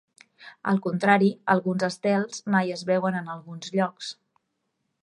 Al contrari, alguns estels mai es veuen en alguns llocs.